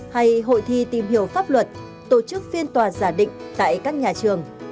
hay hội thi tìm hiểu pháp luật tổ chức phiên tòa giả định tại các nhà trường